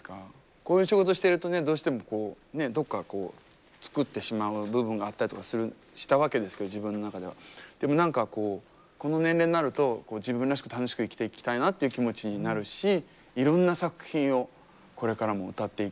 こういう仕事してるとねどうしてもこうどっか作ってしまう部分があったりとかしたわけですけど自分の中では。でも何かこうこの年齢になると自分らしく楽しく生きていきたいなっていう気持ちになるしいろんな作品をこれからも歌っていけたらいいなっていうふうに。